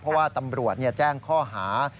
เพราะว่าตำรวจแจ้งข้อหา